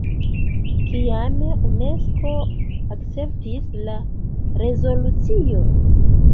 Kiam Unesko akceptis la rezolucion?